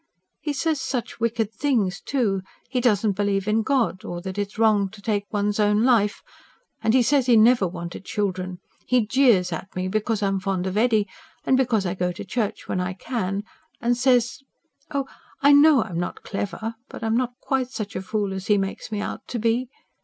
He says such wicked things, too. He doesn't believe in God, or that it is wrong to take one's own life, and he says he never wanted children. He jeers at me because I am fond of Eddy, and because I go to church when I can, and says ... oh, I know I am not clever, but I am not quite such a fool as he makes me out to be.